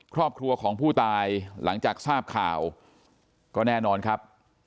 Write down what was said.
ครอบครัวของผู้ตายหลังจากทราบข่าวก็แน่นอนครับ